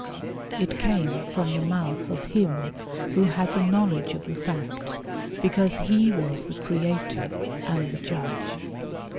It came from the mouth of Him who had the knowledge of the fact, because he was the Creator and the Judge.